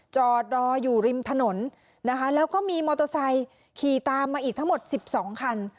จอดรออยู่ริมถนนนะคะแล้วก็มีมอเตอร์ไซค์ขี่ตามมาอีกทั้งหมด๑๒คัน